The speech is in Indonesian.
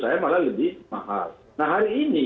saya malah lebih mahal nah hari ini